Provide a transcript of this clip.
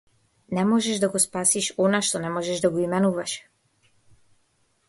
Не можеш да го спасиш она што не можеш да го именуваш.